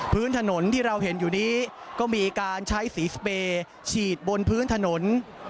พื้นถนนที่เราเห็นอยู่นี้ก็มีการใช้สีสเปย์ฉีดบนพื้นถนน